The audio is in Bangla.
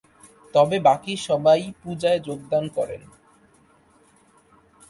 তবে বাকি সবাই পূজায় যোগদান করেন।